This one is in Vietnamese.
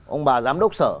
ông bà giám đốc sở